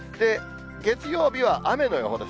月曜日は雨の予報です。